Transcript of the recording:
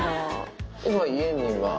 今、家には？